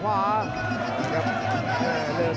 ขวางแขงขวาเจอเททิ้ง